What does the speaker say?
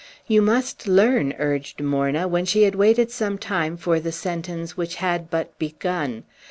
"You must learn," urged Morna, when she had waited some time for the sentence which had but begun.